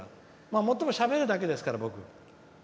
もっともしゃべるだけですから、僕。